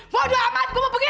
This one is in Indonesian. waduh amat gue mau pergi